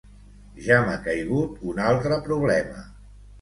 Ja m'ha caigut un altre problema.